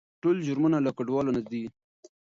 ټول جرمونه له کډوالو نه دي.